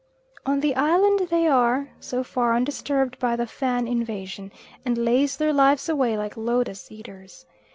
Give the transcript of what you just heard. On the island they are, so far, undisturbed by the Fan invasion, and laze their lives away like lotus eaters.